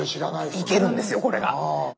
いけるんですよこれが。